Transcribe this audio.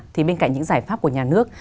thì bên cạnh những giải pháp của nhà nước